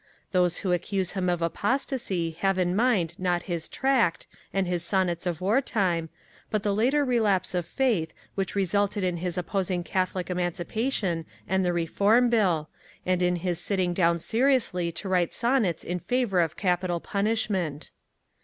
_ Those who accuse him of apostasy have in mind not his "Tract" and his sonnets of war time, but the later lapse of faith which resulted in his opposing Catholic Emancipation and the Reform Bill, and in his sitting down seriously to write sonnets in favour in capital punishment.